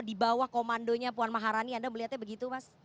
di bawah komandonya puan maharani anda melihatnya begitu mas